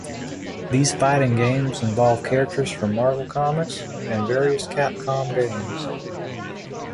These fighting games involve characters from Marvel Comics, and various Capcom games.